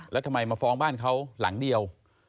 แล้วทำไมมาฟ้องบ้านเขาหลังเดียว